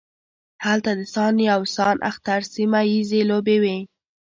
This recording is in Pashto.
هلته د سان یو سان اختر سیمه ییزې لوبې وې.